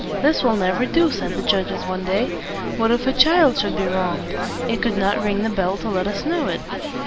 "This will never do," said the judges one day. "What if a child should be wronged? It could not ring the bell to let us know it."